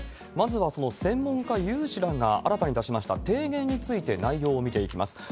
まずはその専門家、有志らが新たに出しました提言について内容を見ていきます。